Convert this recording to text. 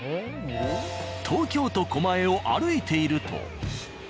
東京都・狛江を歩いていると。